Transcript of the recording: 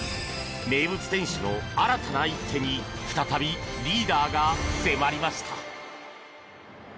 名物店主の新たな一手に再びリーダーが迫りました。